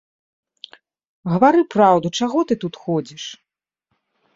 Гавары праўду, чаго ты тут ходзіш?